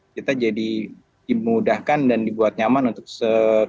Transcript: kita jadi dimudahkan dan dibuat nyaman untuk